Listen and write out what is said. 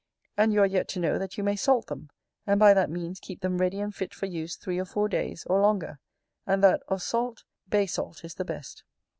And you are yet to know that you may salt them, and by that means keep them ready and fit for use three or four days, or longer; and that, of salt, bay salt is the best.